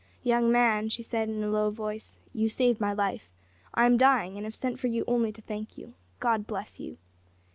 `Young man,' she said in a low voice, `you saved my life; I am dying, and have sent for you to thank you. God bless you.'